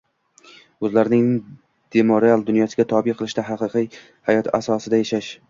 o‘zlarining demoral dunyosiga tobe qilishda, haqiqiy hayot asosida yashash